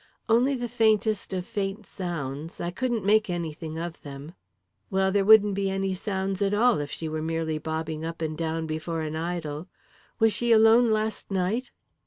"Only the faintest of faint sounds. I couldn't make anything of them." "Well, there wouldn't be any sounds at all if she were merely bobbing up and down before an idol. Was she alone last night?"